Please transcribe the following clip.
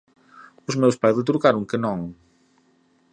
Os meus pais retrucaron que non.